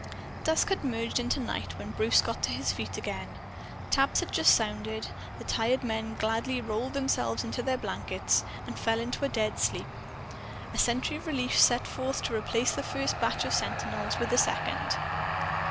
Dusk had merged into night when Bruce got to his feet again. Taps had just sounded. The tired men gladly rolled themselves into their blankets and fell into a dead sleep. A sentry relief set forth to replace the first batch of sentinels with the second.